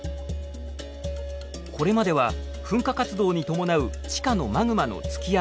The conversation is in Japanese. これまでは噴火活動に伴う地下のマグマの突き上げ